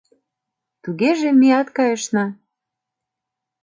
— Тугеже, меат кайышна...